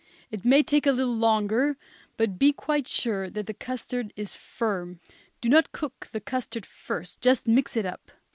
It may take a little longer, but be quite sure that the custard is firm. Do not cook the custard first, just mix it up.